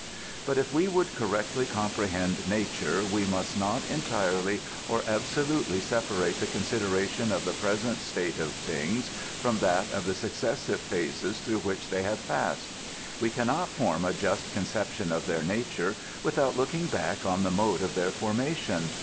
But if we would correctly cofiiprehend nature, we must not entirely or absolutely separate the consideration of the present state of things from that of the successive phases through which they have passed. We can not form a just conception of their nature without looking back on the mode of their for mation.